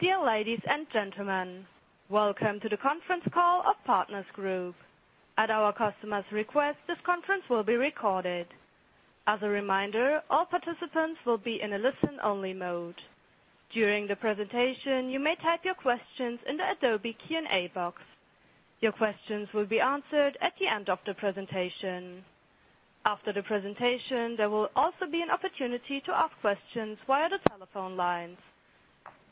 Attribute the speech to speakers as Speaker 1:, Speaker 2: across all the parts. Speaker 1: Dear ladies and gentlemen, welcome to the conference call of Partners Group. At our customer's request, this conference will be recorded. As a reminder, all participants will be in a listen-only mode. During the presentation, you may type your questions in the Adobe Q&A box. Your questions will be answered at the end of the presentation. After the presentation, there will also be an opportunity to ask questions via the telephone lines.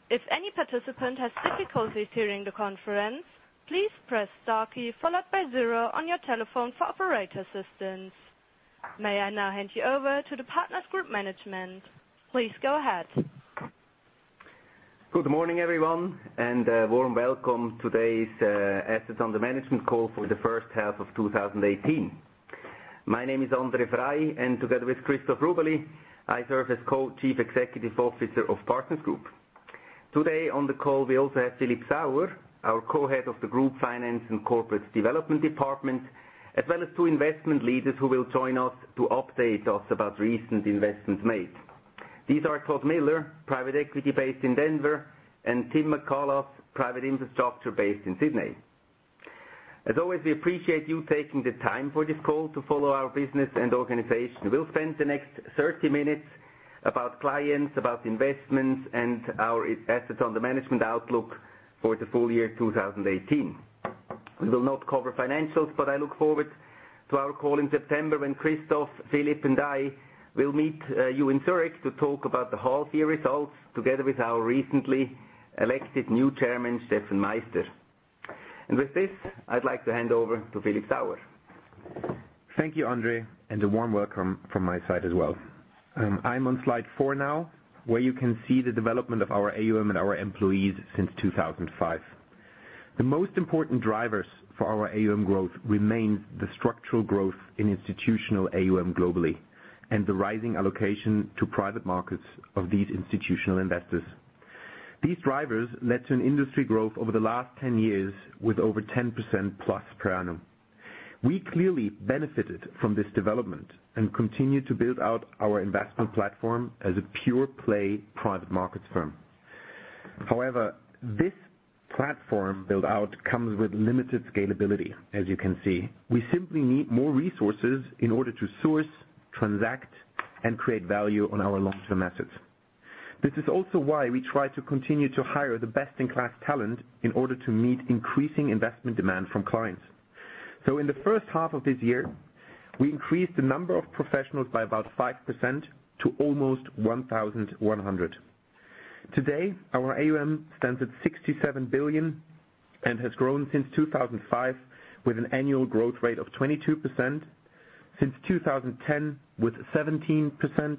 Speaker 1: If any participant has difficulty hearing the conference, please press star key followed by zero on your telephone for operator assistance. May I now hand you over to the Partners Group management. Please go ahead.
Speaker 2: Good morning, everyone, and a warm welcome. Today's assets under management call for the first half of 2018. My name is André Frei and together with Christoph Rubeli, I serve as Co-Chief Executive Officer of Partners Group. Today on the call, we also have Philip Sauer, our co-head of the Group Finance and Corporate Development Department, as well as two investment leaders who will join us to update us about recent investments made. These are Todd Miller, private equity based in Denver, and Tim McCullough, private infrastructure based in Sydney. As always, we appreciate you taking the time for this call to follow our business and organization. We'll spend the next 30 minutes about clients, about investments, and our assets under management outlook for the full year 2018. We will not cover financials. I look forward to our call in September when Christoph, Philip, and I will meet you in Zurich to talk about the whole year results together with our recently elected new Chairman, Steffen Meister. With this, I'd like to hand over to Philip Sauer.
Speaker 3: Thank you, André, and a warm welcome from my side as well. I'm on slide four now, where you can see the development of our AUM and our employees since 2005. The most important drivers for our AUM growth remains the structural growth in institutional AUM globally and the rising allocation to private markets of these institutional investors. These drivers led to an industry growth over the last 10 years with over 10% plus per annum. We clearly benefited from this development and continue to build out our investment platform as a pure play private markets firm. However, this platform build-out comes with limited scalability, as you can see. We simply need more resources in order to source, transact, and create value on our long-term assets. This is also why we try to continue to hire the best-in-class talent in order to meet increasing investment demand from clients. In the first half of this year, we increased the number of professionals by about 5% to almost 1,100. Today, our AUM stands at $67 billion and has grown since 2005 with an annual growth rate of 22%, since 2010 with 17%,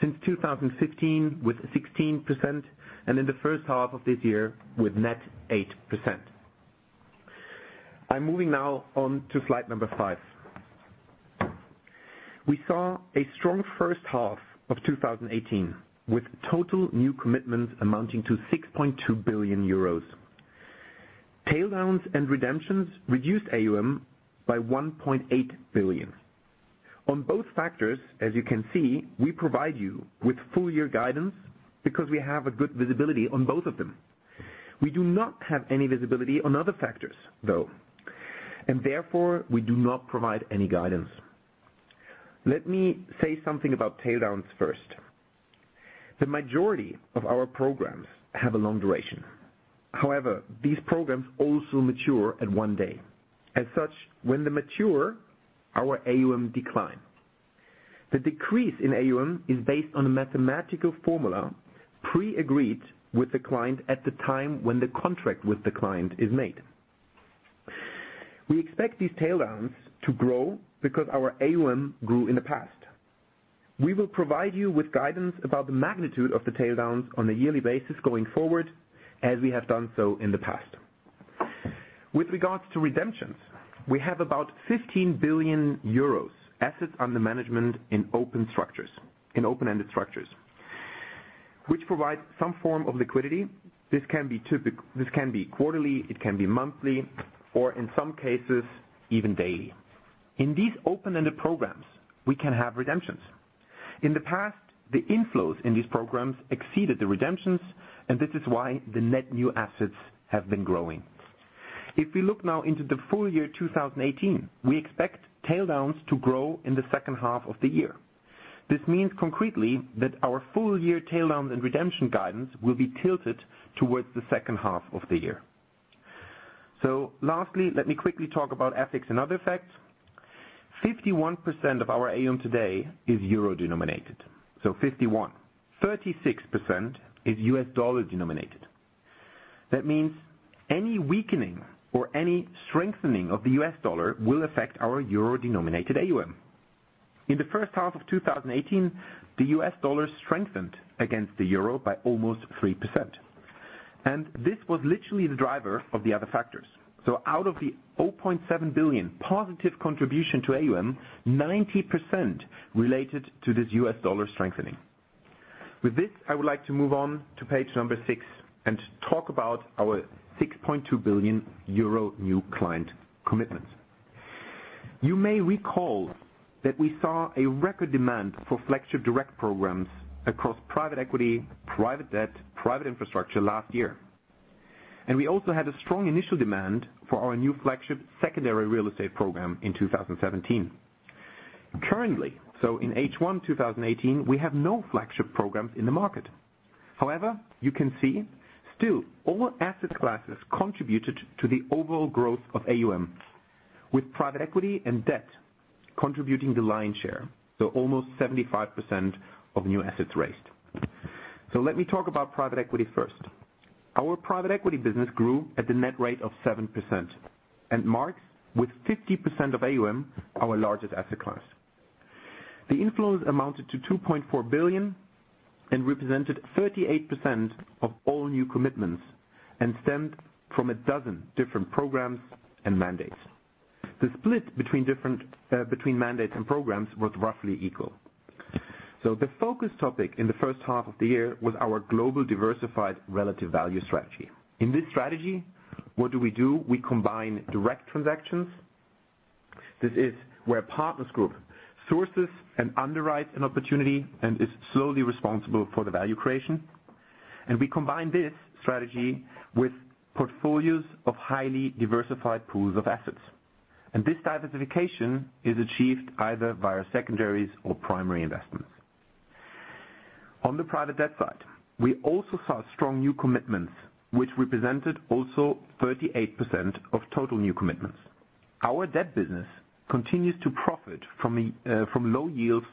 Speaker 3: since 2015 with 16%, and in the first half of this year with net 8%. I'm moving now on to slide number five. We saw a strong first half of 2018, with total new commitments amounting to 6.2 billion euros. Tail downs and redemptions reduced AUM by $1.8 billion. On both factors, as you can see, we provide you with full year guidance because we have a good visibility on both of them. We do not have any visibility on other factors, though, and therefore we do not provide any guidance. Let me say something about tail downs first. The majority of our programs have a long duration. However, these programs also mature at one day. As such, when they mature, our AUM decline. The decrease in AUM is based on a mathematical formula pre-agreed with the client at the time when the contract with the client is made. We expect these tail downs to grow because our AUM grew in the past. We will provide you with guidance about the magnitude of the tail downs on a yearly basis going forward, as we have done so in the past. With regards to redemptions, we have about 15 billion euros assets under management in open structures, in open-ended structures, which provide some form of liquidity. This can be quarterly, it can be monthly, or in some cases, even daily. In these open-ended programs, we can have redemptions. In the past, the inflows in these programs exceeded the redemptions, this is why the net new assets have been growing. If we look now into the full year 2018, we expect tail downs to grow in the second half of the year. This means concretely that our full year tail down and redemption guidance will be tilted towards the second half of the year. Lastly, let me quickly talk about FX and other effects. 51% of our AUM today is euro denominated. 36% is US dollar denominated. That means any weakening or any strengthening of the US dollar will affect our euro denominated AUM. In the first half of 2018, the US dollar strengthened against the euro by almost 3%. This was literally the driver of the other factors. Out of the $0.7 billion positive contribution to AUM, 90% related to this US dollar strengthening. With this, I would like to move on to page number six and talk about our 6.2 billion euro new client commitments. You may recall that we saw a record demand for flagship direct programs across private equity, private debt, private infrastructure last year. We also had a strong initial demand for our new flagship secondary real estate program in 2017. Currently, so in H1 2018, we have no flagship programs in the market. However, you can see still all asset classes contributed to the overall growth of AUM, with private equity and debt contributing the lion's share, so almost 75% of new assets raised. Let me talk about private equity first. Our private equity business grew at the net rate of 7% and marks with 50% of AUM, our largest asset class. The inflows amounted to 2.4 billion and represented 38% of all new commitments and stemmed from a dozen different programs and mandates. The split between mandates and programs was roughly equal. The focus topic in the first half of the year was our global diversified relative value strategy. In this strategy, what do we do? We combine direct transactions. This is where Partners Group sources and underwrites an opportunity and is solely responsible for the value creation. We combine this strategy with portfolios of highly diversified pools of assets. This diversification is achieved either via secondaries or primary investments. On the private debt side, we also saw strong new commitments, which represented also 35% of total new commitments. Our debt business continues to profit from low yields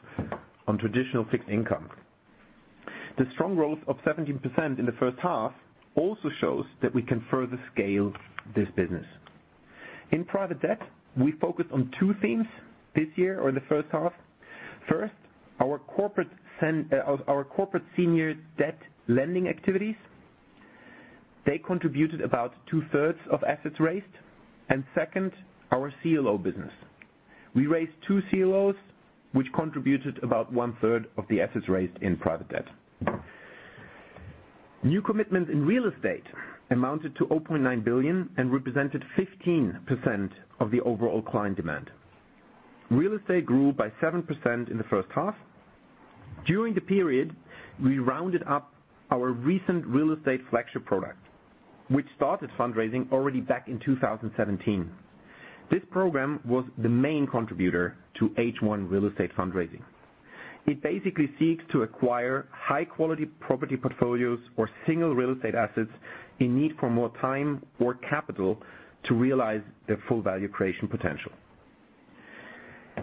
Speaker 3: on traditional fixed income. The strong growth of 17% in the first half also shows that we can further scale this business. In private debt, we focused on two things this year or in the first half. First, our corporate senior debt lending activities. They contributed about two-thirds of assets raised. Second, our CLO business. We raised two CLOs, which contributed about one-third of the assets raised in private debt. New commitments in real estate amounted to 0.9 billion and represented 15% of the overall client demand. Real estate grew by 7% in the first half. During the period, we rounded up our recent real estate flagship product, which started fundraising already back in 2017. This program was the main contributor to H1 real estate fundraising. It basically seeks to acquire high-quality property portfolios or single real estate assets in need for more time or capital to realize their full value creation potential.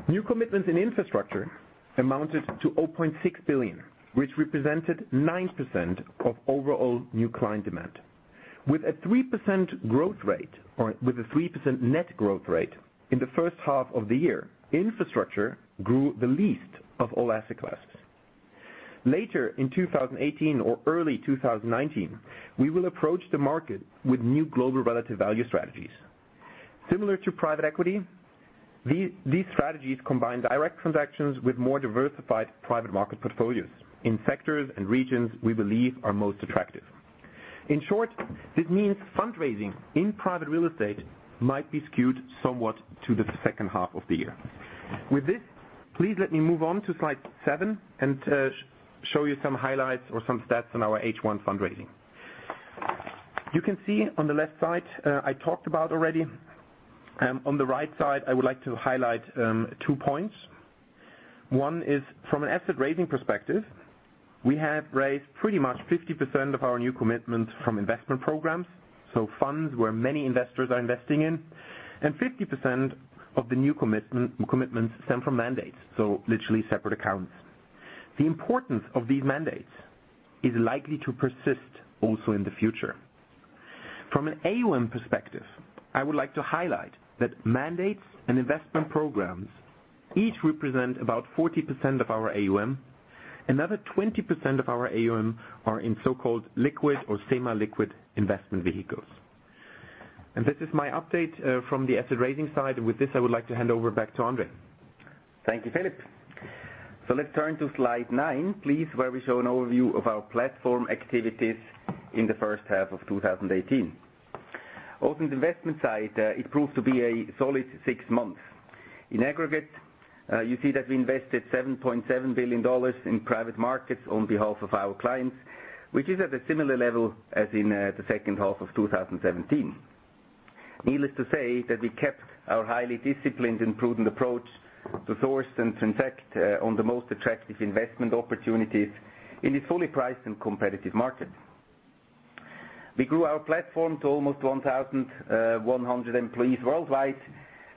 Speaker 3: New commitments in infrastructure amounted to 0.6 billion, which represented 9% of overall new client demand. With a 3% growth rate, or with a 3% net growth rate in the first half of the year, infrastructure grew the least of all asset classes. Later in 2018 or early 2019, we will approach the market with new global relative value strategies. Similar to private equity, these strategies combine direct transactions with more diversified private market portfolios in sectors and regions we believe are most attractive. In short, this means fundraising in private real estate might be skewed somewhat to the second half of the year. With this, please let me move on to slide seven and show you some highlights or some stats on our H1 fundraising. You can see on the left side, I talked about already. On the right side, I would like to highlight two points. One is from an asset raising perspective, we have raised pretty much 50% of our new commitments from investment programs, so funds where many investors are investing in. 50% of the new commitments stem from mandates, so literally separate accounts. The importance of these mandates is likely to persist also in the future. From an AUM perspective, I would like to highlight that mandates and investment programs each represent about 40% of our AUM. Another 20% of our AUM are in so-called liquid or semi-liquid investment vehicles. This is my update from the asset raising side. With this, I would like to hand over back to André.
Speaker 2: Thank you, Philip. Let's turn to slide nine, please, where we show an overview of our platform activities in the first half of 2018. On the investment side, it proved to be a solid six months. In aggregate, you see that we invested $7.7 billion in private markets on behalf of our clients, which is at a similar level as in the second half of 2017. Needless to say that we kept our highly disciplined and prudent approach to source and transact on the most attractive investment opportunities in this fully priced and competitive market. We grew our platform to almost 1,100 employees worldwide.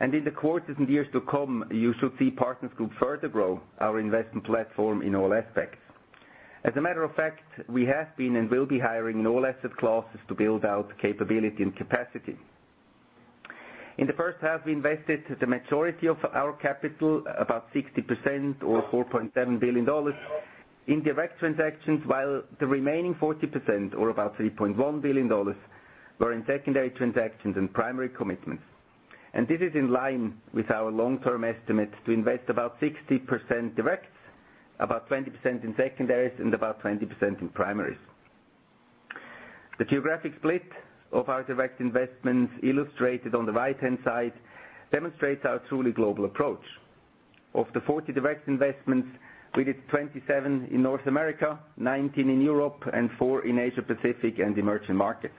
Speaker 2: In the quarters and years to come, you should see Partners Group further grow our investment platform in all aspects. As a matter of fact, we have been and will be hiring in all asset classes to build out capability and capacity. In the first half, we invested the majority of our capital, about 60% or $4.7 billion in direct transactions, while the remaining 40%, or about $3.1 billion, were in secondary transactions and primary commitments. This is in line with our long-term estimates to invest about 60% direct, about 20% in secondaries, and about 20% in primaries. The geographic split of our direct investments illustrated on the right-hand side demonstrates our truly global approach. Of the 40 direct investments, we did 27 in North America, 19 in Europe, and four in Asia Pacific and emerging markets.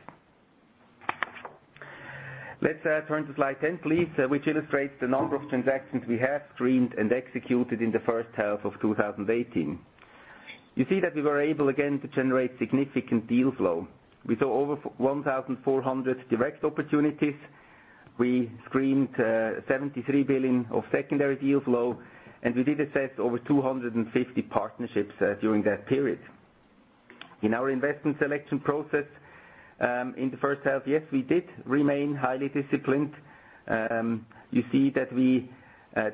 Speaker 2: Let's turn to slide 10, please, which illustrates the number of transactions we have screened and executed in the first half of 2018. You see that we were able again to generate significant deal flow. We saw over 1,400 direct opportunities. We screened $73 billion of secondary deal flow. We did assess over 250 partnerships during that period. In our investment selection process, in the first half, yes, we did remain highly disciplined. You see that we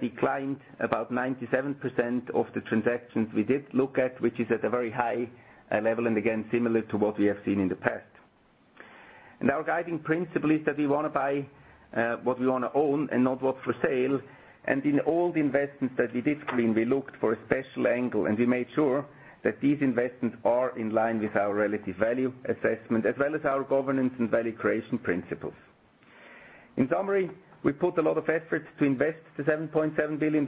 Speaker 2: declined about 97% of the transactions we did look at, which is at a very high level, and again, similar to what we have seen in the past. Our guiding principle is that we want to buy what we want to own and not what for sale. In all the investments that we did screen, we looked for a special angle, and we made sure that these investments are in line with our relative value assessment, as well as our governance and value creation principles. In summary, we put a lot of efforts to invest the $7.7 billion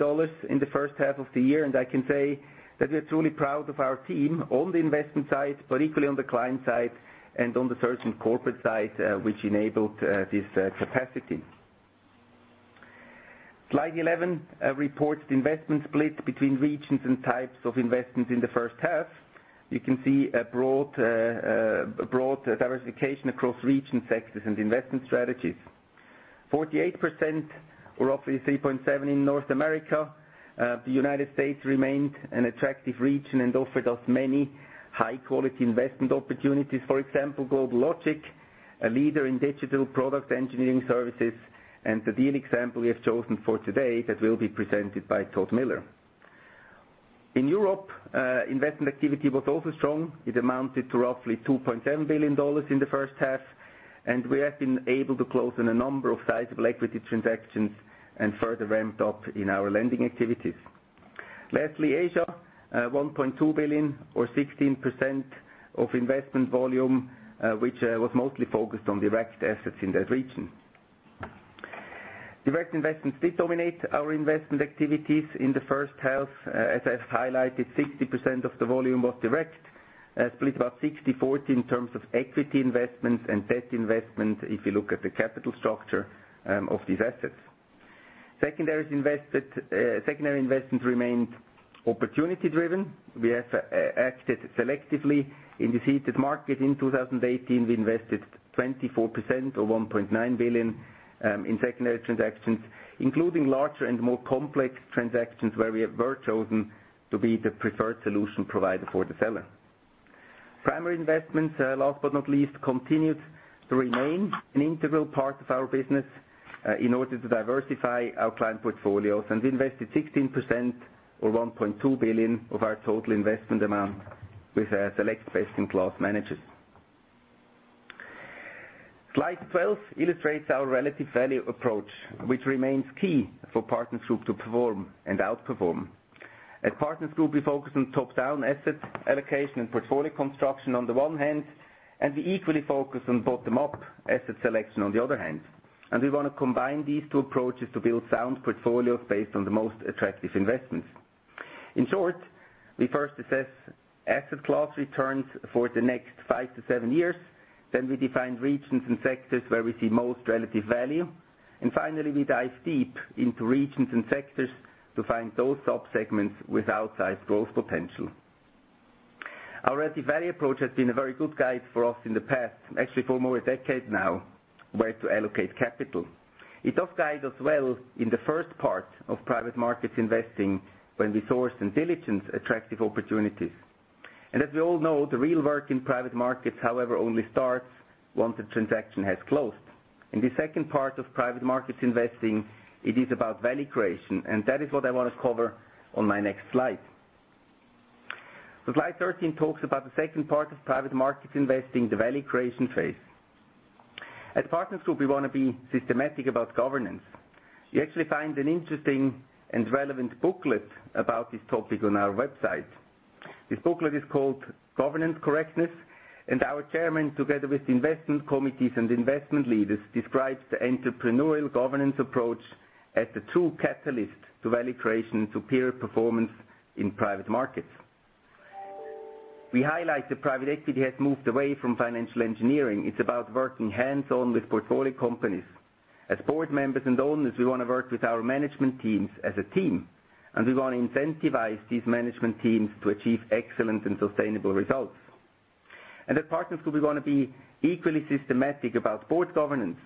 Speaker 2: in the first half of the year. I can say that we're truly proud of our team on the investment side, equally on the client side and on the search and corporate side, which enabled this capacity. Slide 11 reports the investment split between regions and types of investments in the first half. You can see a broad diversification across regions, sectors, and investment strategies. 48% or roughly $3.7 billion in North America. The U.S. remained an attractive region and offered us many high-quality investment opportunities. For example, GlobalLogic, a leader in digital product engineering services, and the deal example we have chosen for today that will be presented by Todd Miller. In Europe, investment activity was also strong. It amounted to roughly EUR 2.7 billion in the first half. We have been able to close on a number of sizable equity transactions and further ramped up in our lending activities. Lastly, Asia, 1.2 billion or 16% of investment volume, which was mostly focused on direct assets in that region. Direct investments did dominate our investment activities in the first half. As I've highlighted, 60% of the volume was direct, split about 60/40 in terms of equity investments and debt investments if you look at the capital structure of these assets. Secondary investments remained opportunity-driven. We have acted selectively in this heated market. In 2018, we invested 24% or 1.9 billion in secondary transactions, including larger and more complex transactions where we were chosen to be the preferred solution provider for the seller. Primary investments, last but not least, continued to remain an integral part of our business in order to diversify our client portfolios. We invested 16% or 1.2 billion of our total investment amount with select investment class managers. Slide 12 illustrates our relative value approach, which remains key for Partners Group to perform and outperform. At Partners Group, we focus on top-down asset allocation and portfolio construction on the one hand. We equally focus on bottom-up asset selection on the other hand. We want to combine these two approaches to build sound portfolios based on the most attractive investments. In short, we first assess asset class returns for the next five to seven years. We define regions and sectors where we see most relative value. Finally, we dive deep into regions and sectors to find those sub-segments with outsized growth potential. Our relative value approach has been a very good guide for us in the past, actually for more a decade now, where to allocate capital. It does guide us well in the first part of private markets investing when we source and diligence attractive opportunities. As we all know, the real work in private markets, however, only starts once the transaction has closed. In the second part of private markets investing, it is about value creation. That is what I want to cover on my next slide. Slide 13 talks about the second part of private markets investing, the value creation phase. At Partners Group, we want to be systematic about governance. You actually find an interesting and relevant booklet about this topic on our website. This booklet is called Governance Correctness. Our Chairman, together with the investment committees and investment leaders, describes the entrepreneurial governance approach as the true catalyst to value creation and superior performance in private markets. We highlight that private equity has moved away from financial engineering. It's about working hands-on with portfolio companies. As board members and owners, we want to work with our management teams as a team. We want to incentivize these management teams to achieve excellent and sustainable results. At Partners Group, we want to be equally systematic about board governance.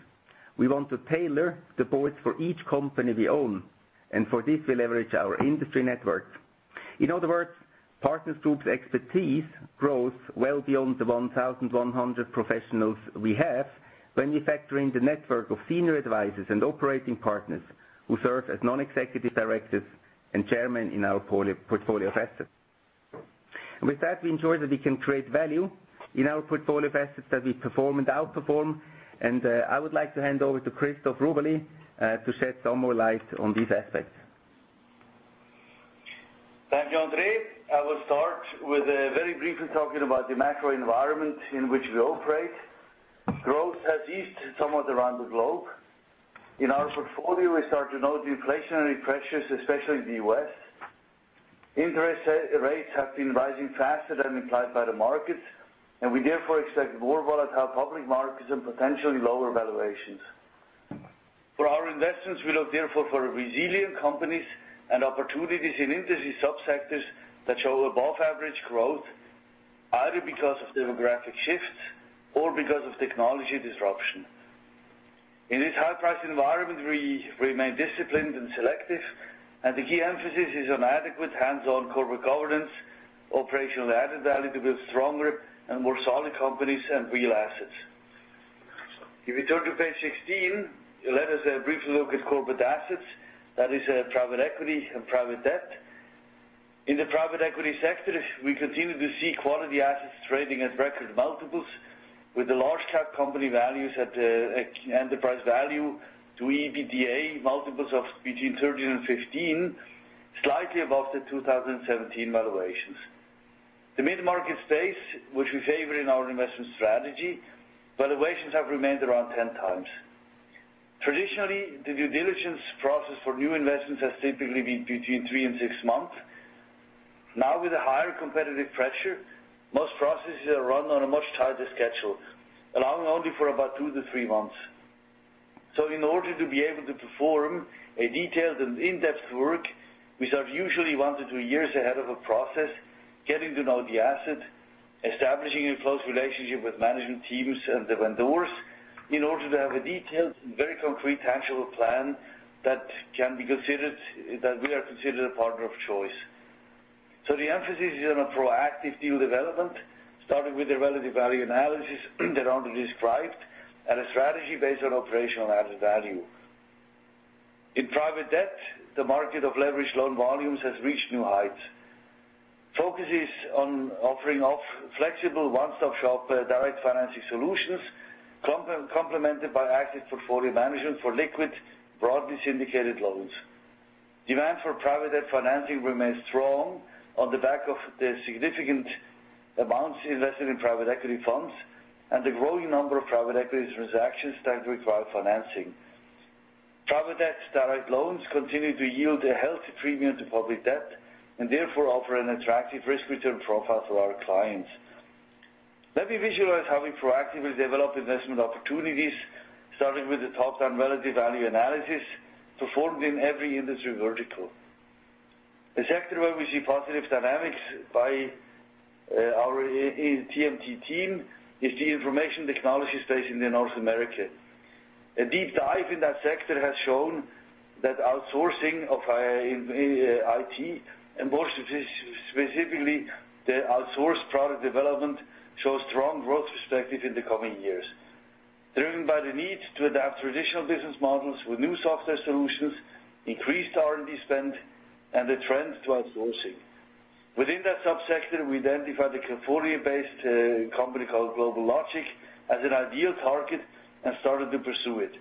Speaker 2: We want to tailor the boards for each company we own. For this, we leverage our industry networks. In other words, Partners Group's expertise grows well beyond the 1,100 professionals we have when we factor in the network of senior advisors and operating partners who serve as non-executive directors and chairman in our portfolio of assets. With that, we ensure that we can create value in our portfolio of assets that we perform and outperform. I would like to hand over to Christoph Rubeli to shed some more light on this aspect.
Speaker 4: Thank you, André. I will start with very briefly talking about the macro environment in which we operate. Growth has eased somewhat around the globe. In our portfolio, we start to note the inflationary pressures, especially in the U.S. Interest rates have been rising faster than implied by the market, we therefore expect more volatile public markets and potentially lower valuations. For our investments, we look therefore for resilient companies and opportunities in industry sub-sectors that show above average growth, either because of demographic shifts or because of technology disruption. In this high-price environment, we remain disciplined and selective, the key emphasis is on adequate hands-on corporate governance, operational added value to build stronger and more solid companies and real assets. If you turn to page 16, let us briefly look at corporate assets, that is private equity and private debt. In the private equity sector, we continue to see quality assets trading at record multiples with large cap company values at enterprise value to EBITDA multiples of between 30 and 15, slightly above the 2017 valuations. The mid-market space, which we favor in our investment strategy, valuations have remained around 10 times. Traditionally, the due diligence process for new investments has typically been between three and six months. With higher competitive pressure, most processes are run on a much tighter schedule, allowing only for about two to three months. In order to be able to perform detailed and in-depth work, we start usually one to two years ahead of a process, getting to know the asset, establishing a close relationship with management teams and the vendors in order to have a detailed and very concrete actionable plan that we are considered a partner of choice. The emphasis is on proactive deal development, starting with the relative value analysis that André described and a strategy based on operational added value. In private debt, the market of leveraged loan volumes has reached new heights. Focus is on offering flexible one-stop shop direct financing solutions, complemented by active portfolio management for liquid broadly syndicated loans. Demand for private debt financing remains strong on the back of the significant amounts invested in private equity funds and the growing number of private equity transactions that require financing. Private debt direct loans continue to yield a healthy premium to public debt, therefore offer an attractive risk return profile to our clients. Let me visualize how we proactively develop investment opportunities, starting with the top-down relative value analysis performed in every industry vertical. A sector where we see positive dynamics by our TMT team is the information technology space in North America. A deep dive in that sector has shown that outsourcing of IT and more specifically, the outsourced product development, shows strong growth perspective in the coming years, driven by the need to adapt traditional business models with new software solutions, increased R&D spend, and the trend to outsourcing. Within that sub-sector, we identified a California-based company called GlobalLogic as an ideal target and started to pursue it.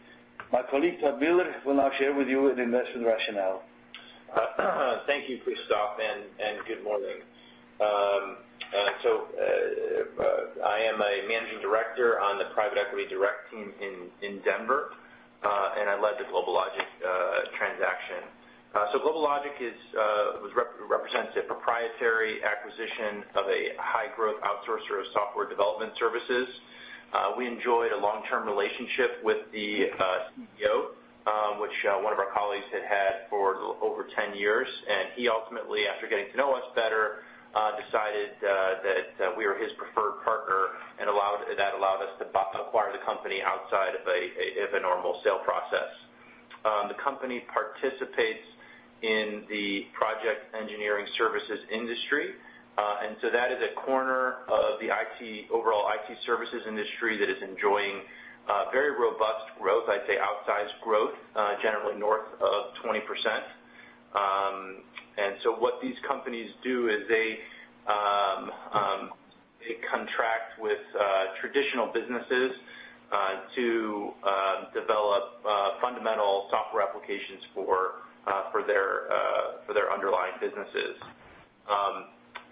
Speaker 4: My colleague, Todd Miller, will now share with you an investment rationale.
Speaker 5: Thank you, Christoph, and good morning. I am a managing director on the private equity direct team in Denver, and I led the GlobalLogic transaction. GlobalLogic represents a proprietary acquisition of a high growth outsourcer of software development services. We enjoyed a long-term relationship with the CEO, which one of our colleagues had had for over 10 years, and he ultimately, after getting to know us better, decided that we were his preferred partner and that allowed us to acquire the company outside of a normal sale process. The company participates in the project engineering services industry. That is a corner of the overall IT services industry that is enjoying very robust growth, I'd say outsized growth, generally north of 20%. What these companies do is they contract with traditional businesses to develop fundamental software applications for their underlying businesses.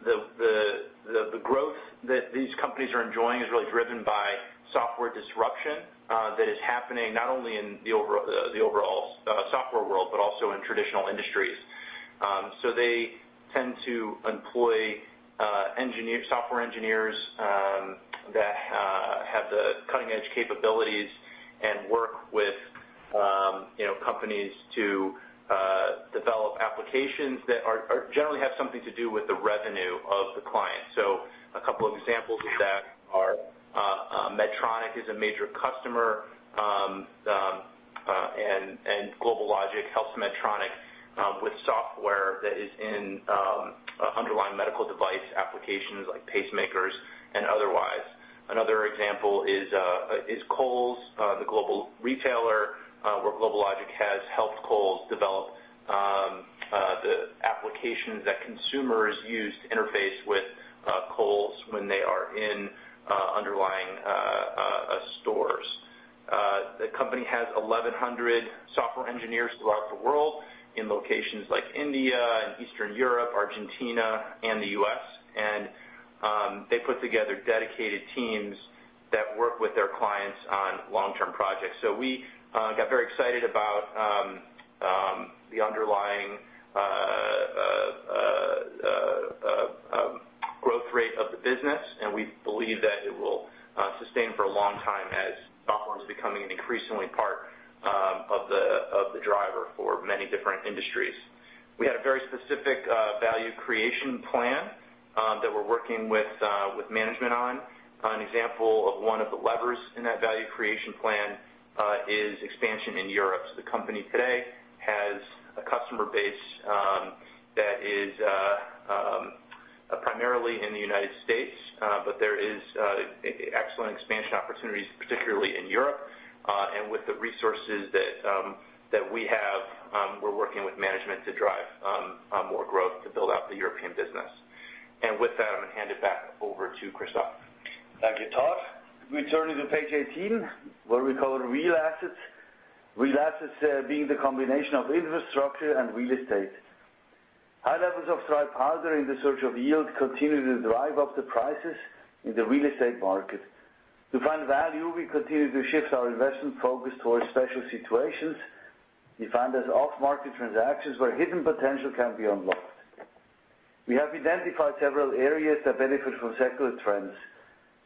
Speaker 5: The growth that these companies are enjoying is really driven by software disruption that is happening not only in the overall software world, but also in traditional industries. They tend to employ software engineers that have the cutting edge capabilities and work with companies to develop applications that generally have something to do with the revenue of the client. A couple of examples of that are Medtronic is a major customer, and GlobalLogic helps Medtronic with software that is in underlying medical device applications like pacemakers and otherwise. Another example is Kohl's, the global retailer, where GlobalLogic has helped Kohl's develop the applications that consumers use to interface with Kohl's when they are in underlying stores. The company has 1,100 software engineers throughout the world in locations like India and Eastern Europe, Argentina, and the U.S. They put together dedicated teams that work with their clients on long-term projects. We got very excited about the underlying growth rate of the business, and we believe that it will sustain for a long time as software is becoming an increasingly part of the driver for many different industries. We had a very specific value creation plan that we're working with management on. An example of one of the levers in that value creation plan is expansion in Europe. The company today has a customer base that is primarily in the United States, but there is excellent expansion opportunities, particularly in Europe. With the resources that we have, we're working with management to drive more growth to build out the European business. With that, I'm going to hand it back over to Christoph.
Speaker 4: Thank you, Todd. We turn to page 18, what we call real assets, real assets being the combination of infrastructure and real estate. High levels of dry powder in the search of yield continue to drive up the prices in the real estate market. To find value, we continue to shift our investment focus towards special situations. We find there's off-market transactions where hidden potential can be unlocked. We have identified several areas that benefit from secular trends,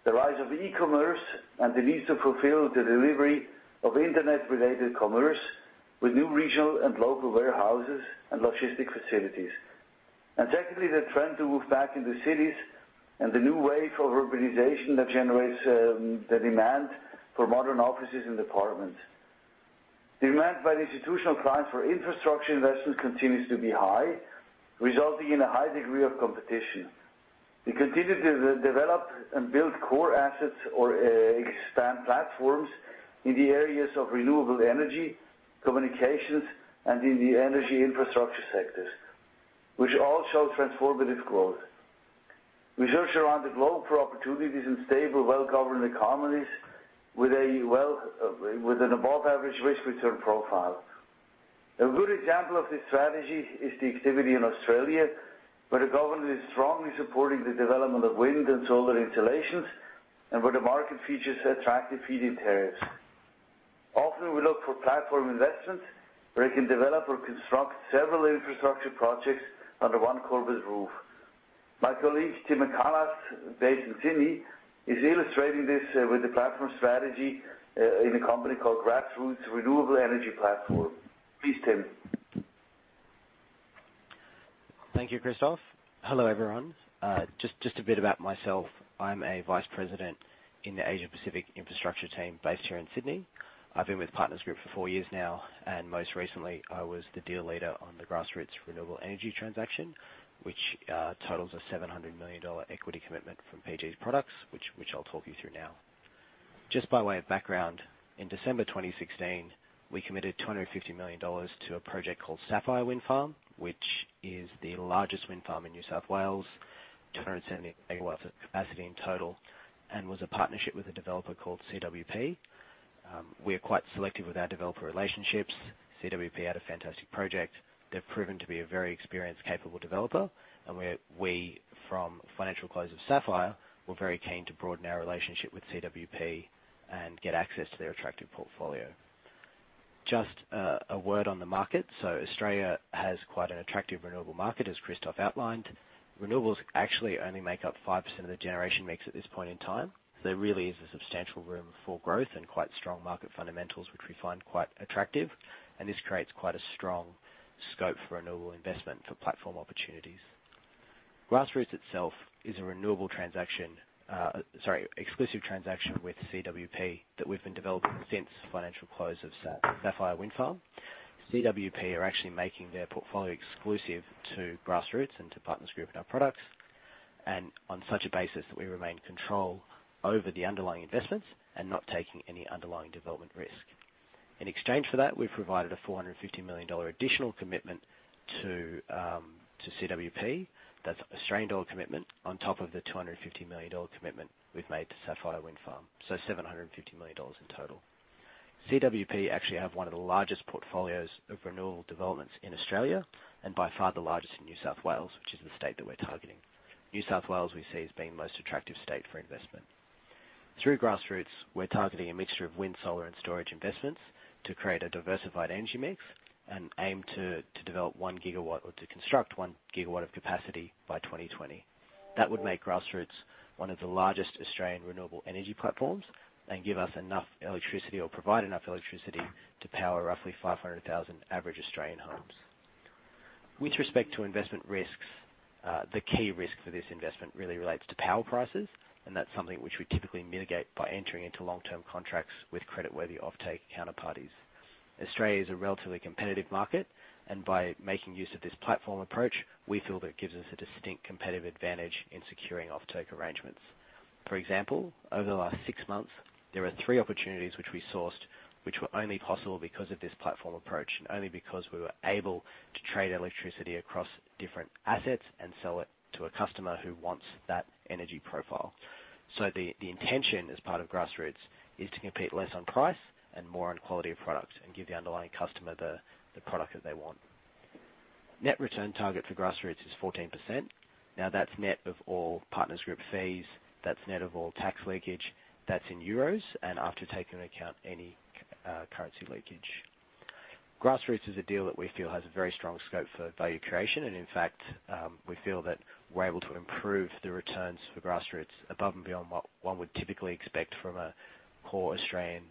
Speaker 4: the rise of e-commerce, and the need to fulfill the delivery of internet-related commerce with new regional and local warehouses and logistic facilities. Secondly, the trend to move back into cities and the new wave of urbanization that generates the demand for modern offices and apartments. Demand by the institutional clients for infrastructure investment continues to be high, resulting in a high degree of competition. We continue to develop and build core assets or expand platforms in the areas of renewable energy, communications, and in the energy infrastructure sectors, which all show transformative growth. We search around the globe for opportunities in stable, well-governed economies with an above-average risk-return profile. A good example of this strategy is the activity in Australia, where the government is strongly supporting the development of wind and solar installations and where the market features attractive feed-in tariffs. Often, we look for platform investments where we can develop or construct several infrastructure projects under one corporate roof. My colleague, Tim McCullough, based in Sydney, is illustrating this with the platform strategy in a company called Grassroots Renewable Energy Platform. Please, Tim.
Speaker 6: Thank you, Christoph. Hello, everyone. Just a bit about myself. I'm a vice president in the Asia Pacific infrastructure team based here in Sydney. I've been with Partners Group for four years now, and most recently, I was the deal leader on the Grassroots Renewable Energy transaction, which totals a 700 million dollar equity commitment from PG's products, which I'll talk you through now. Just by way of background, in December 2016, we committed 250 million dollars to a project called Sapphire Wind Farm, which is the largest wind farm in New South Wales, 270 MW of capacity in total, and was a partnership with a developer called CWP. We are quite selective with our developer relationships. CWP had a fantastic project. They've proven to be a very experienced, capable developer, and we, from financial close of Sapphire, were very keen to broaden our relationship with CWP and get access to their attractive portfolio. Just a word on the market. Australia has quite an attractive renewable market, as Christoph outlined. Renewables actually only make up 5% of the generation mix at this point in time. There really is a substantial room for growth and quite strong market fundamentals, which we find quite attractive, and this creates quite a strong scope for renewable investment for platform opportunities. Grassroots itself is a exclusive transaction with CWP that we've been developing since financial close of Sapphire Wind Farm. CWP are actually making their portfolio exclusive to Grassroots and to Partners Group and our products, and on such a basis that we remain in control over the underlying investments and not taking any underlying development risk. In exchange for that, we've provided an 450 million dollar additional commitment to CWP. That's Australian dollar commitment on top of the 250 million dollar commitment we've made to Sapphire Wind Farm, so 700 million dollars in total. CWP actually have one of the largest portfolios of renewable developments in Australia and by far the largest in New South Wales, which is the state that we're targeting. New South Wales we see as being the most attractive state for investment. Through Grassroots, we're targeting a mixture of wind, solar, and storage investments to create a diversified energy mix and aim to develop 1 gigawatt or to construct 1 gigawatt of capacity by 2020. That would make Grassroots one of the largest Australian renewable energy platforms and give us enough electricity or provide enough electricity to power roughly 500,000 average Australian homes. With respect to investment risks, the key risk for this investment really relates to power prices, and that's something which we typically mitigate by entering into long-term contracts with creditworthy offtake counterparties. Australia is a relatively competitive market, and by making use of this platform approach, we feel that it gives us a distinct competitive advantage in securing offtake arrangements. For example, over the last 6 months, there are three opportunities which we sourced, which were only possible because of this platform approach and only because we were able to trade electricity across different assets and sell it to a customer who wants that energy profile. The intention as part of Grassroots is to compete less on price and more on quality of products and give the underlying customer the product that they want. Net return target for Grassroots is 14%. Now that's net of all Partners Group fees, that's net of all tax leakage, that's in EUR, and after taking into account any currency leakage. Grassroots is a deal that we feel has a very strong scope for value creation. In fact, we feel that we're able to improve the returns for Grassroots above and beyond what one would typically expect from a core Australian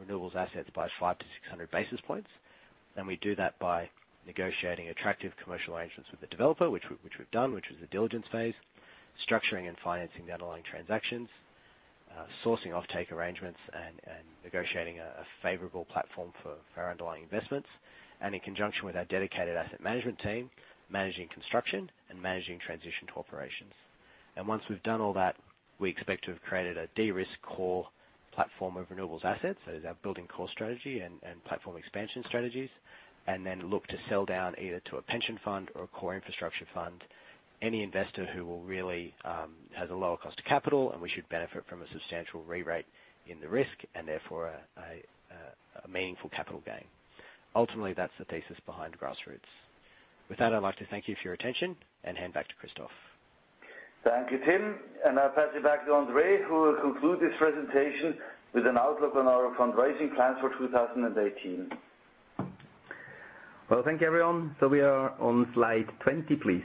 Speaker 6: renewables asset by 500-600 basis points. We do that by negotiating attractive commercial arrangements with the developer, which we've done, which was the diligence phase, structuring and financing the underlying transactions, sourcing offtake arrangements and negotiating a favorable platform for our underlying investments. In conjunction with our dedicated asset management team, managing construction and managing transition to operations. Once we've done all that, we expect to have created a de-risk core platform of renewables assets. That's our building core strategy and platform expansion strategies, then look to sell down either to a pension fund or a core infrastructure fund, any investor who will really has a lower cost of capital and we should benefit from a substantial rerate in the risk and therefore a meaningful capital gain. Ultimately, that's the thesis behind Grassroots. With that, I'd like to thank you for your attention and hand back to Christoph.
Speaker 4: Thank you, Tim. I'll pass you back to André, who will conclude this presentation with an outlook on our fundraising plans for 2018.
Speaker 2: Well, thank you everyone. We are on slide 20, please.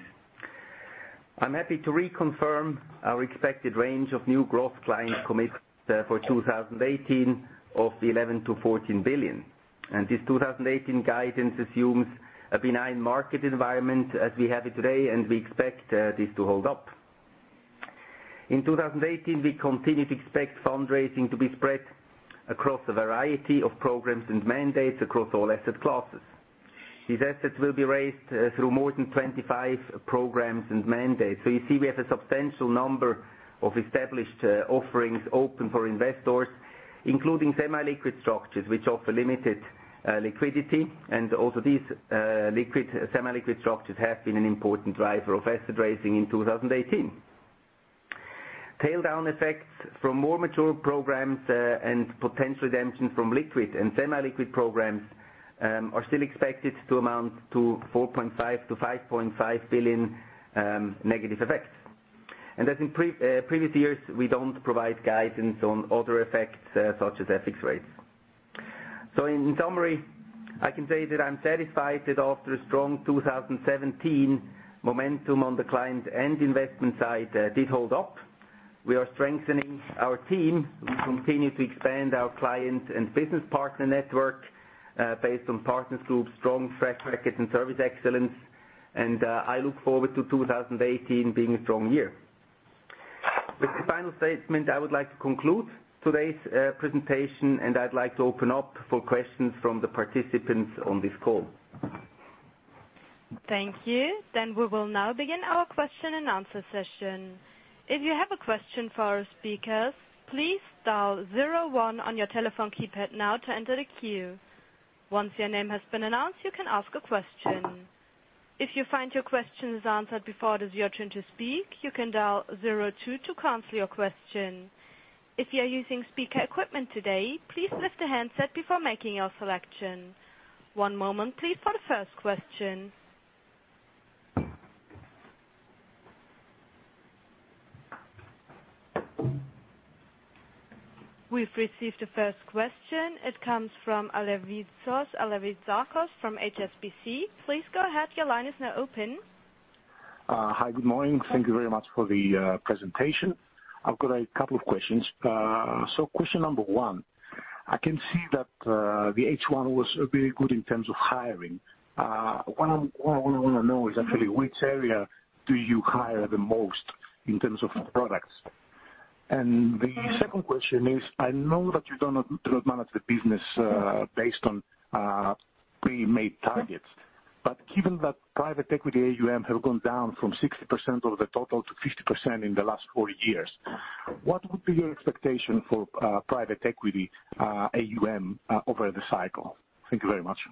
Speaker 2: I'm happy to reconfirm our expected range of new growth client commitments for 2018 of 11 billion-14 billion. This 2018 guidance assumes a benign market environment as we have it today, and we expect this to hold up. In 2018, we continue to expect fundraising to be spread across a variety of programs and mandates across all asset classes. These assets will be raised through more than 25 programs and mandates. You see we have a substantial number of established offerings open for investors, including semi-liquid structures which offer limited liquidity, and also these semi-liquid structures have been an important driver of asset raising in 2018. Tail down effects from more mature programs, and potential redemption from liquid and semi-liquid programs, are still expected to amount to 4.5 billion-5.5 billion negative effects. As in previous years, we don't provide guidance on other effects such as FX rates. In summary, I can say that I'm satisfied that after a strong 2017 momentum on the client end investment side, did hold up. We are strengthening our team. We continue to expand our client and business partner network, based on Partners Group's strong track record and service excellence. I look forward to 2018 being a strong year. With the final statement, I would like to conclude today's presentation. I'd like to open up for questions from the participants on this call.
Speaker 1: Thank you. We will now begin our question and answer session. If you have a question for our speakers, please dial zero one on your telephone keypad now to enter the queue. Once your name has been announced, you can ask a question. If you find your question is answered before it is your turn to speak, you can dial zero two to cancel your question. If you are using speaker equipment today, please lift the handset before making your selection. One moment please for the first question. We've received the first question. It comes from Al Alevizakos from HSBC. Please go ahead. Your line is now open.
Speaker 7: Hi, good morning. Thank you very much for the presentation. I have got a couple of questions. Question number one, I can see that the H1 was very good in terms of hiring. What I want to know is actually which area do you hire the most in terms of products? The second question is, I know that you do not manage the business based on pre-made targets, but given that private equity AUM have gone down from 60% of the total to 50% in the last four years, what would be your expectation for private equity AUM over the cycle? Thank you very much.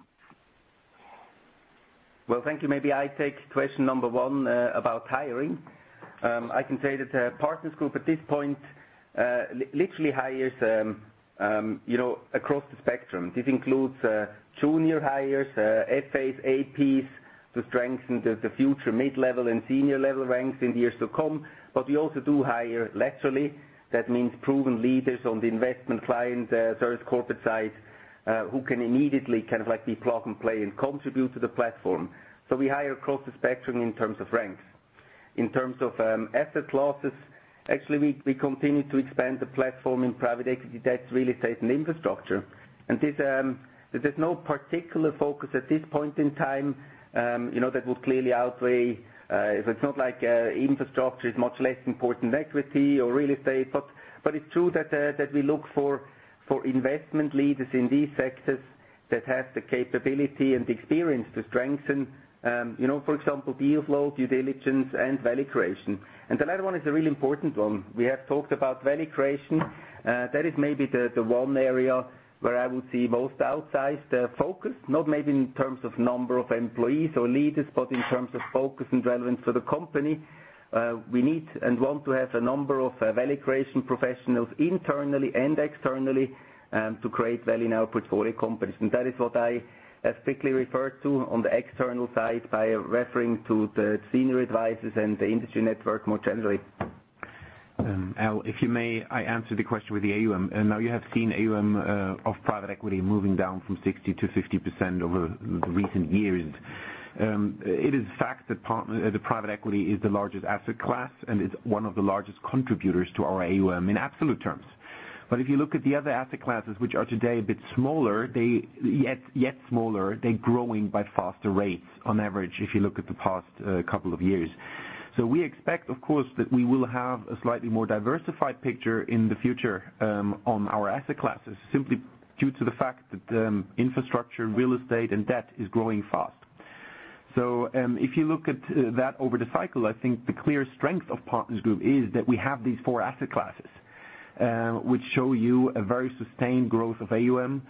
Speaker 2: Well, thank you. Maybe I take question number one about hiring. I can say that Partners Group at this point, literally hires across the spectrum. This includes junior hires, FAs, APs to strengthen the future mid-level and senior level ranks in years to come. We also do hire laterally. That means proven leaders on the investment client service corporate side, who can immediately kind of like be plug and play and contribute to the platform. We hire across the spectrum in terms of ranks. In terms of asset classes, actually we continue to expand the platform in private equity, that is real estate and infrastructure. There is no particular focus at this point in time, that will clearly outweigh It is not like infrastructure is much less important than equity or real estate, but it is true that we look for investment leaders in these sectors that have the capability and experience to strengthen, for example, deal flow, due diligence and value creation. The latter one is a really important one. We have talked about value creation. That is maybe the one area where I would see most outsized focus, not maybe in terms of number of employees or leaders, but in terms of focus and relevance for the company. We need and want to have a number of value creation professionals internally and externally, to create value in our portfolio companies. That is what I strictly refer to on the external side by referring to the senior advisors and the industry network more generally. Al, if you may, I answer the question with the AUM. Now you have seen AUM of private equity moving down from 60% to 50% over the recent years. It is fact that the private equity is the largest asset class and is one of the largest contributors to our AUM in absolute terms. If you look at the other asset classes, which are today a bit smaller, they, yet smaller, they are growing by faster rates on average, if you look at the past couple of years. We expect, of course, that we will have a slightly more diversified picture in the future, on our asset classes simply due to the fact that infrastructure, real estate, and debt is growing fast. If you look at that over the cycle, I think the clear strength of Partners Group is that we have these four asset classes, which show you a very sustained growth of AUM,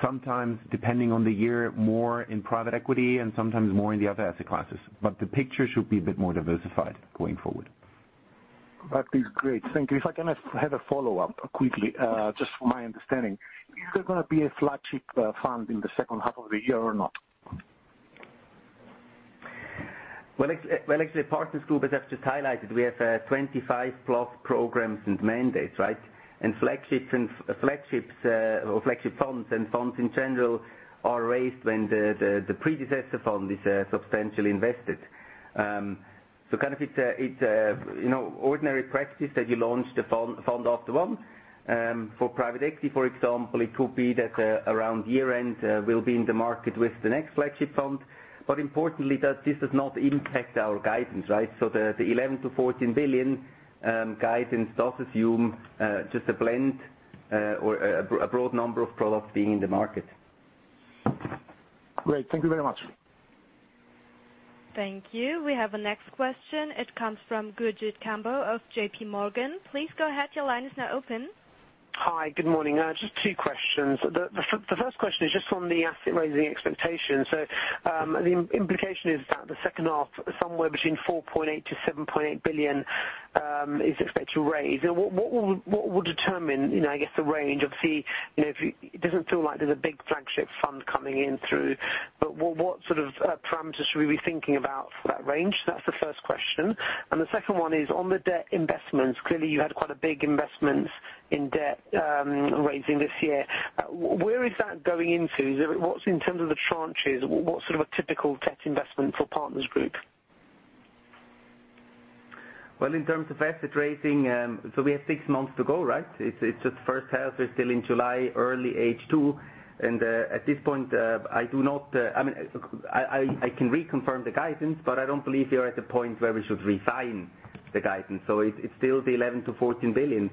Speaker 2: sometimes depending on the year, more in private equity and sometimes more in the other asset classes. The picture should be a bit more diversified going forward.
Speaker 7: That is great. Thank you. If I can have a follow-up quickly, just for my understanding, is there going to be a flagship fund in the second half of the year or not?
Speaker 2: Well, actually, Partners Group has just highlighted we have 25 plus programs and mandates, right? Flagships or flagship funds and funds in general are raised when the predecessor fund is substantially invested. It's ordinary practice that you launch the fund after one. For private equity, for example, it could be that around year-end, we'll be in the market with the next flagship fund. Importantly, that this does not impact our guidance, right? The $11 billion-$14 billion guidance does assume just a blend or a broad number of products being in the market.
Speaker 7: Great. Thank you very much.
Speaker 1: Thank you. We have the next question. It comes from Gurjit Kamboh of JP Morgan. Please go ahead. Your line is now open.
Speaker 8: Hi. Good morning. Just two questions. The first question is just on the asset raising expectations. The implication is that the second half, somewhere between 4.8 billion-7.8 billion is expected to raise. What will determine the range? Obviously, it doesn't feel like there's a big flagship fund coming in through, but what sort of parameters should we be thinking about for that range? That's the first question. The second one is on the debt investments. Clearly, you had quite a big investment in debt raising this year. Where is that going into? In terms of the tranches, what's sort of a typical debt investment for Partners Group?
Speaker 2: Well, in terms of asset raising, so we have six months to go, right? It's just first half. We're still in July, early H2. At this point, I can reconfirm the guidance, but I don't believe we are at the point where we should refine the guidance. It's still the 11 billion-14 billion.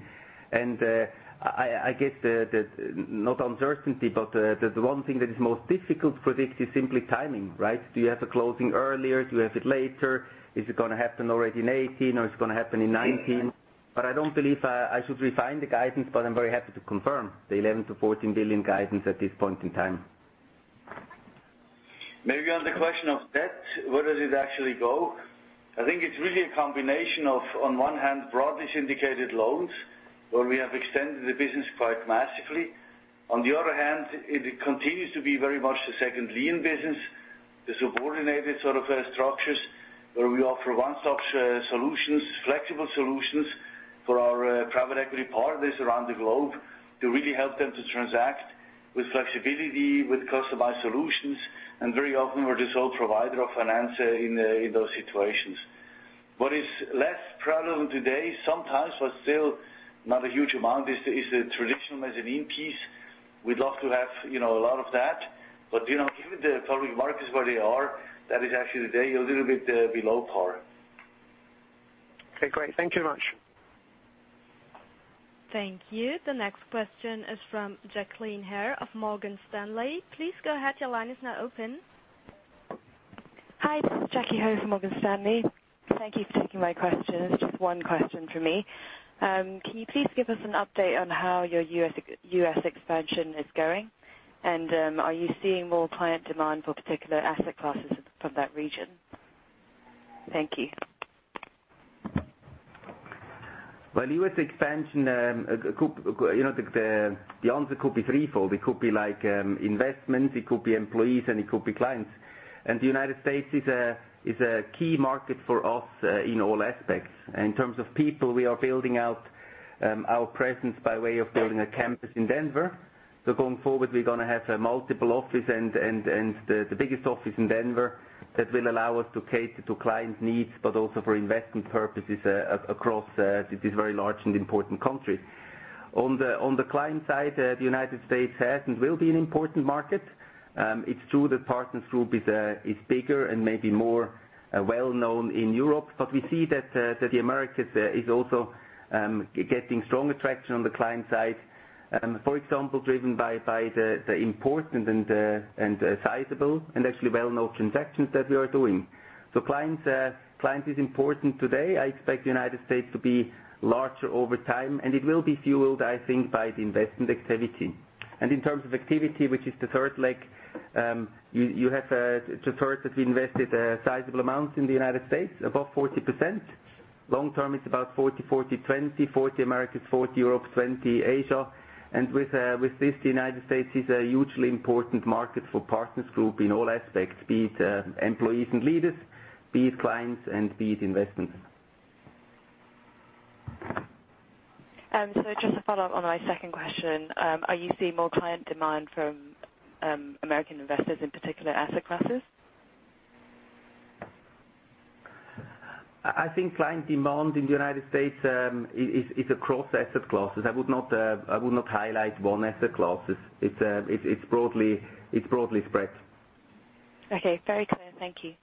Speaker 2: I guess the, not uncertainty, but the one thing that is most difficult to predict is simply timing, right? Do you have a closing earlier? Do you have it later? Is it going to happen already in 2018 or it's going to happen in 2019? I don't believe I should refine the guidance, but I'm very happy to confirm the 11 billion-14 billion guidance at this point in time.
Speaker 4: Maybe on the question of debt, where does it actually go? I think it's really a combination of, on one hand, broadly syndicated loans, where we have extended the business quite massively. On the other hand, it continues to be very much the second lien business, the subordinated sort of structures where we offer one-stop solutions, flexible solutions for our private equity partners around the globe to really help them to transact with flexibility, with customized solutions. Very often we're the sole provider of finance in those situations. What is less prevalent today, sometimes, but still not a huge amount, is the traditional mezzanine piece. We'd love to have a lot of that. Given the public markets where they are, that is actually today a little bit below par.
Speaker 8: Okay, great. Thank you very much.
Speaker 1: Thank you. The next question is from Jacqueline Hare of Morgan Stanley. Please go ahead. Your line is now open.
Speaker 9: Hi, this is Jackie Hare from Morgan Stanley. Thank you for taking my question. It is just one question from me. Can you please give us an update on how your U.S. expansion is going? Are you seeing more client demand for particular asset classes from that region? Thank you.
Speaker 2: U.S. expansion, the answer could be threefold. It could be investments, it could be employees, and it could be clients. The United States is a key market for us in all aspects. In terms of people, we are building out our presence by way of building a campus in Denver. Going forward, we are going to have a multiple office and the biggest office in Denver that will allow us to cater to client needs, but also for investment purposes across this very large and important country. On the client side, the United States has and will be an important market. It is true that Partners Group is bigger and maybe more well-known in Europe, but we see that the Americas is also getting strong attraction on the client side. For example, driven by the important and sizable and actually well-known transactions that we are doing. Clients is important today. I expect the U.S. to be larger over time, and it will be fueled, I think, by the investment activity. In terms of activity, which is the third leg, you have to heard that we invested a sizable amount in the U.S., above 40%. Long-term, it's about 40/40/20, 40 Americas, 40 Europe, 20 Asia. With this, the U.S. is a hugely important market for Partners Group in all aspects, be it employees and leaders, be it clients, and be it investments.
Speaker 9: Just to follow up on my second question, are you seeing more client demand from U.S. investors, in particular asset classes?
Speaker 4: I think client demand in the U.S. is across asset classes. I would not highlight one asset classes. It's broadly spread.
Speaker 9: Okay. Very clear. Thank you.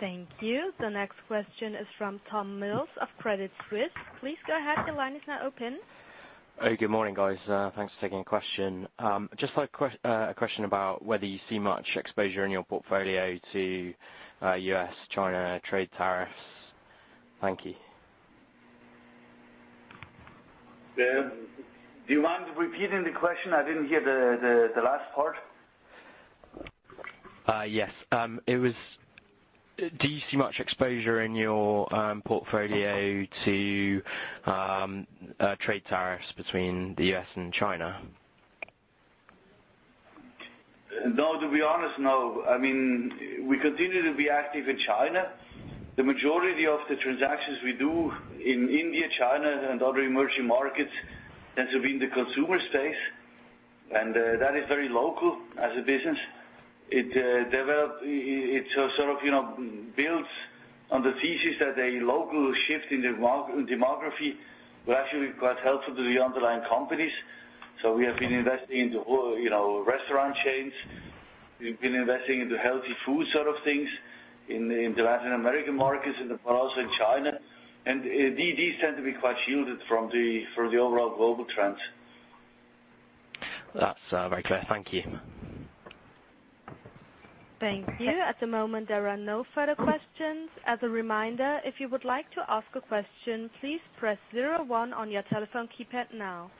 Speaker 1: Thank you. The next question is from Tom Mills of Credit Suisse. Please go ahead. Your line is now open.
Speaker 10: Good morning, guys. Thanks for taking the question. Just a question about whether you see much exposure in your portfolio to U.S., China trade tariffs. Thank you.
Speaker 4: Do you mind repeating the question? I didn't hear the last part.
Speaker 10: Yes. Do you see much exposure in your portfolio to trade tariffs between the U.S. and China?
Speaker 4: No, to be honest, no. We continue to be active in China. The majority of the transactions we do in India, China, and other emerging markets tends to be in the consumer space, and that is very local as a business. It sort of builds on the thesis that a local shift in demography will actually be quite helpful to the underlying companies. We have been investing into restaurant chains. We've been investing into healthy food sort of things in the Latin American markets but also in China. These tend to be quite shielded from the overall global trends.
Speaker 10: That's very clear. Thank you.
Speaker 1: Thank you. At the moment, there are no further questions. As a reminder, if you would like to ask a question, please press 01 on your telephone keypad now.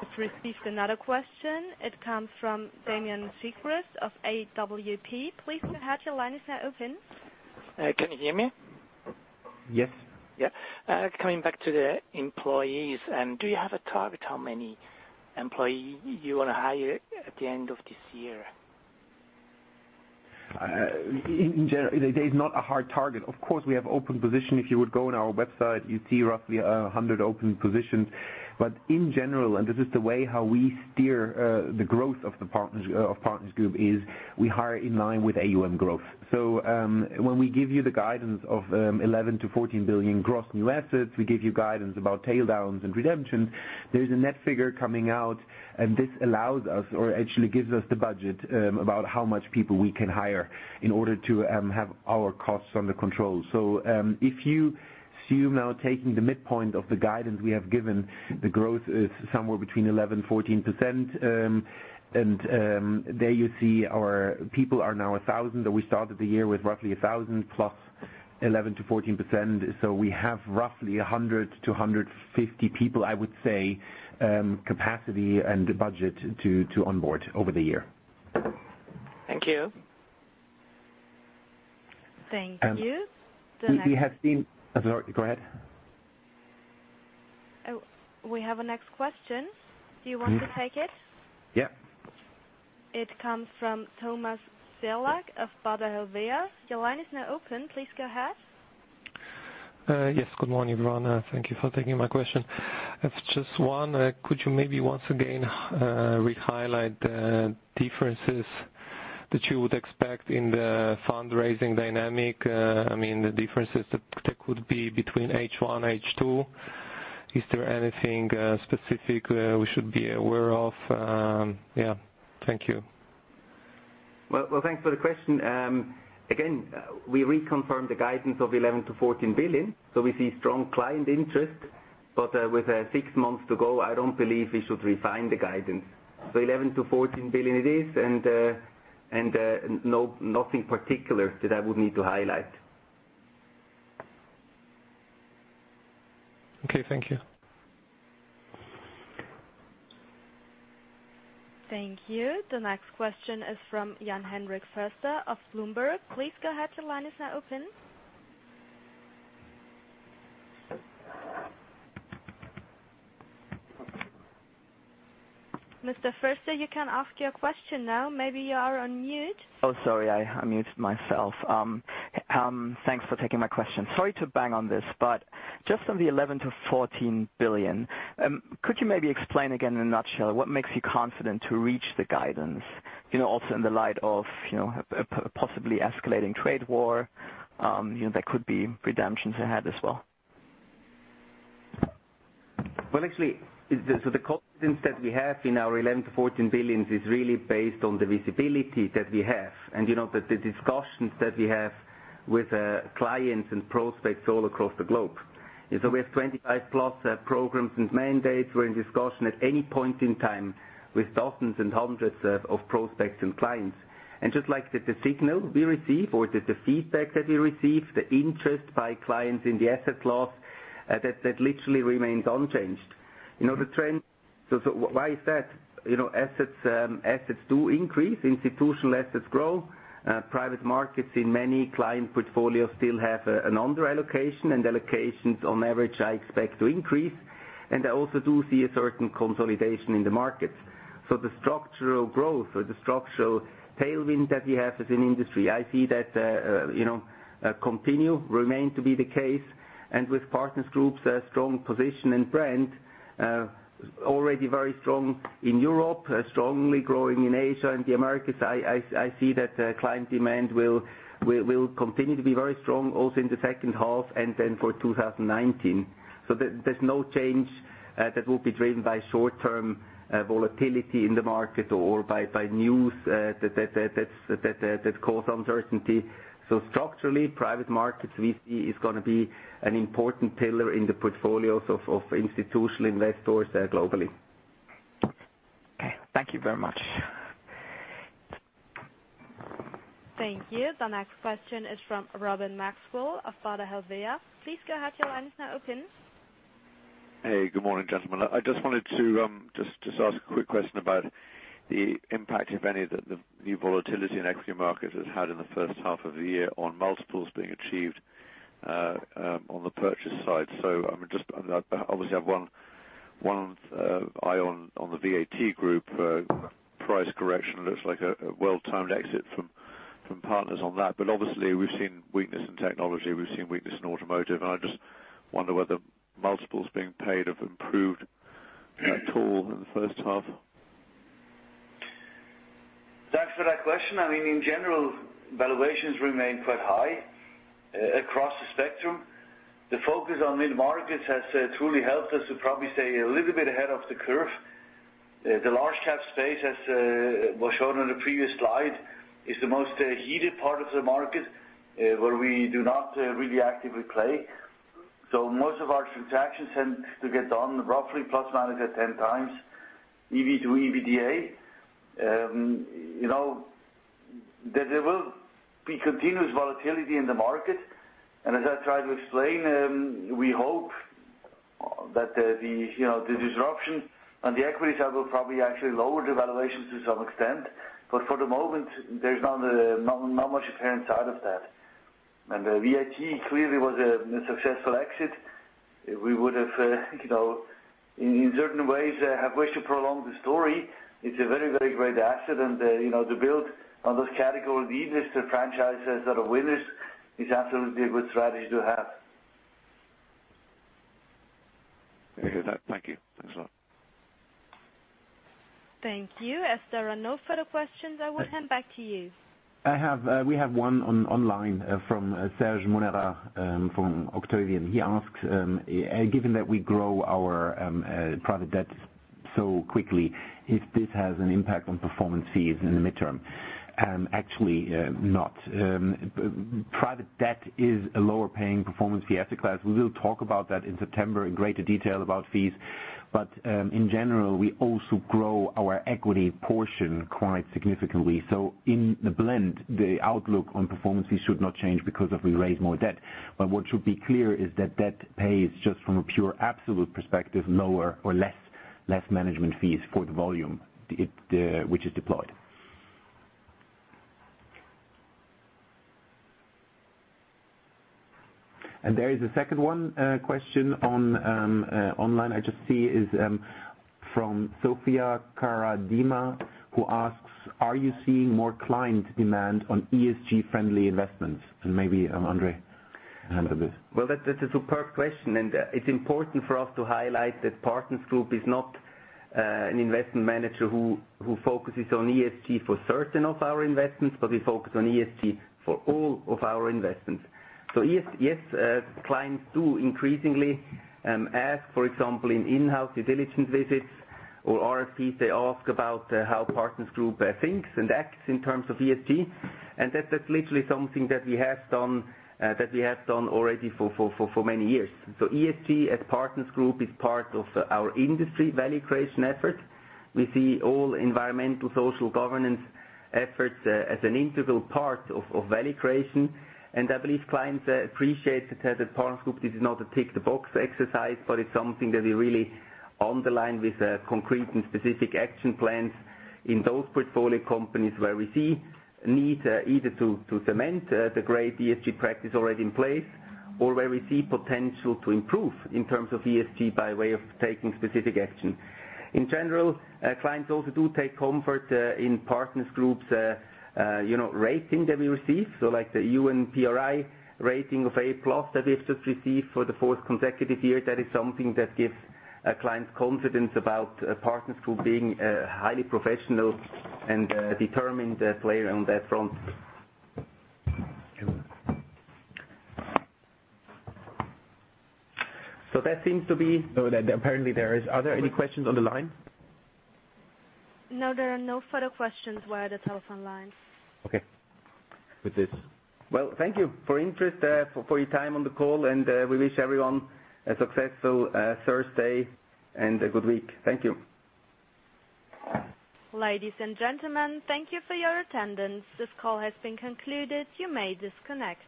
Speaker 1: We've received another question. It comes from Damian Siegrist of AWP. Please go ahead. Your line is now open.
Speaker 11: Can you hear me?
Speaker 4: Yes.
Speaker 11: Coming back to the employees, do you have a target how many employees you want to hire at the end of this year?
Speaker 4: There's not a hard target. Of course, we have open positions. If you would go on our website, you'd see roughly 100 open positions. In general, this is the way how we steer the growth of Partners Group, is we hire in line with AUM growth. When we give you the guidance of 11 billion-14 billion gross new assets, we give you guidance about tail downs and redemptions, there's a net figure coming out, this allows us or actually gives us the budget, about how much people we can hire in order to have our costs under control. If you assume now taking the midpoint of the guidance we have given, the growth is somewhere between 11%-14%, and there you see our people are now 1,000. We started the year with roughly 1,000 plus 11%-14%, we have roughly 100-150 people, I would say, capacity and budget to onboard over the year.
Speaker 11: Thank you.
Speaker 1: Thank you.
Speaker 4: Go ahead.
Speaker 1: We have a next question. Do you want to take it?
Speaker 4: Yeah.
Speaker 1: It comes from Thomas Gerlach of Baader Helvea. Your line is now open. Please go ahead.
Speaker 12: Yes. Good morning, everyone. Thank you for taking my question. I have just one. Could you maybe once again re-highlight the differences that you would expect in the fundraising dynamic? The differences that could be between H1, H2. Is there anything specific we should be aware of? Thank you.
Speaker 4: Well, thanks for the question. Again, we reconfirm the guidance of 11 billion-14 billion. We see strong client interest. With six months to go, I don't believe we should refine the guidance. 11 billion-14 billion it is. Nothing particular that I would need to highlight.
Speaker 12: Okay, thank you.
Speaker 1: Thank you. The next question is from Jan-Henrik Foerster of Bloomberg. Please go ahead. Your line is now open. Mr. Foerster, you can ask your question now. Maybe you are on mute.
Speaker 13: Oh, sorry. I unmuted myself. Thanks for taking my question. Sorry to bang on this, but just on the 11 billion-14 billion, could you maybe explain again in a nutshell what makes you confident to reach the guidance? Also in the light of a possibly escalating trade war. There could be redemptions ahead as well.
Speaker 4: Well, actually, the confidence that we have in our 11 billion-14 billion is really based on the visibility that we have and the discussions that we have with clients and prospects all across the globe. We have 25+ programs and mandates. We're in discussion at any point in time with thousands and hundreds of prospects and clients. Just like the signal we receive or the feedback that we receive, the interest by clients in the asset class, that literally remains unchanged. Why is that? Assets do increase. Institutional assets grow. Private markets in many client portfolios still have an under-allocation, and allocations on average, I expect to increase. I also do see a certain consolidation in the market. The structural growth or the structural tailwind that we have as an industry, I see that continue, remain to be the case. With Partners Group's strong position and brand, already very strong in Europe, strongly growing in Asia and the Americas, I see that client demand will continue to be very strong also in the second half, and then for 2019. There's no change that will be driven by short-term volatility in the market or by news that cause uncertainty. Structurally, private markets we see is going to be an important pillar in the portfolios of institutional investors there globally.
Speaker 13: Okay. Thank you very much.
Speaker 1: Thank you. The next question is from Robin Maxwell of Baader Helvea. Please go ahead, your line is now open.
Speaker 14: Hey, good morning, gentlemen. I just wanted to just ask a quick question about the impact, if any, that the new volatility in equity markets has had in the first half of the year on multiples being achieved on the purchase side. I obviously have one eye on the VAT Group, price correction looks like a well-timed exit from Partners on that. Obviously, we've seen weakness in technology, we've seen weakness in automotive, and I just wonder whether multiples being paid have improved at all in the first half.
Speaker 4: Thanks for that question. In general, valuations remain quite high across the spectrum. The focus on mid-markets has truly helped us to probably stay a little bit ahead of the curve. The large cap space, as was shown on the previous slide, is the most heated part of the market, where we do not really actively play. Most of our transactions tend to get done roughly plus or minus at 10x EV to EBITDA. There will be continuous volatility in the market, and as I tried to explain, we hope that the disruption on the equities side will probably actually lower the valuations to some extent. For the moment, there's not much apparent out of that. VAT clearly was a successful exit. We would have, in certain ways, have wished to prolong the story. It's a very great asset, to build on those category leaders, the franchises that are winners, is absolutely a good strategy to have.
Speaker 14: I hear that. Thank you. Thanks a lot.
Speaker 1: Thank you. As there are no further questions, I will hand back to you.
Speaker 3: We have one online from Serge Monera from Octavian. He asks, given that we grow our private debt so quickly, if this has an impact on performance fees in the mid-term? Actually, not. Private debt is a lower paying performance fee asset class. We will talk about that in September in greater detail about fees. In general, we also grow our equity portion quite significantly. In the blend, the outlook on performance fee should not change because if we raise more debt. What should be clear is that debt pays just from a pure absolute perspective, lower or less management fees for the volume which is deployed. There is a second one, question online I just see is from Sofia Karadima, who asks, "Are you seeing more client demand on ESG friendly investments?" Maybe André can handle this.
Speaker 2: Well, that's a superb question, and it's important for us to highlight that Partners Group is not an investment manager who focuses on ESG for certain of our investments, but we focus on ESG for all of our investments. Yes, clients do increasingly ask, for example, in in-house due diligence visits or RFPs, they ask about how Partners Group thinks and acts in terms of ESG. That's literally something that we have done already for many years. ESG at Partners Group is part of our industry value creation effort. We see all environmental social governance efforts as an integral part of value creation. I believe clients appreciate that at Partners Group this is not a tick the box exercise, but it's something that we really underline with concrete and specific action plans in those portfolio companies where we see need either to cement the great ESG practice already in place or where we see potential to improve in terms of ESG by way of taking specific action. In general, clients also do take comfort in Partners Group's rating that we receive. Like the UN PRI rating of A+ that we have just received for the fourth consecutive year. That is something that gives clients confidence about Partners Group being a highly professional and determined player on that front.
Speaker 3: Thank you.
Speaker 2: That seems to be
Speaker 3: Apparently there is. Are there any questions on the line?
Speaker 1: No, there are no further questions via the telephone lines.
Speaker 3: Okay. With this.
Speaker 2: Well, thank you for interest, for your time on the call, and we wish everyone a successful Thursday and a good week. Thank you.
Speaker 1: Ladies and gentlemen, thank you for your attendance. This call has been concluded. You may disconnect.